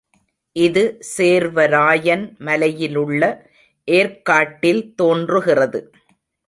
இது சேர்வராயன் மலையிலுள்ள ஏர்க்காட்டில் தோன்றுகிறது.